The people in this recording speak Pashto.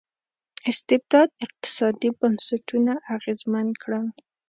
استبداد اقتصادي بنسټونه اغېزمن کړل.